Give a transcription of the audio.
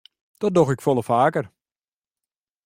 Dat doch ik folle faker.